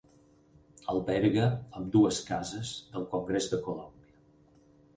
Alberga ambdues cases del congrés de Colombia.